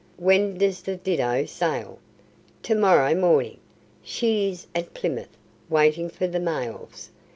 "When does the Dido sail?" "To morrow morning. She is at Plymouth, waiting for the mails.